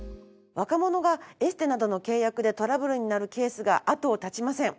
若者がエステなどの契約でトラブルになるケースが後を絶ちません。